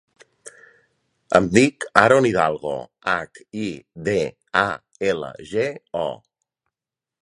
Em dic Haron Hidalgo: hac, i, de, a, ela, ge, o.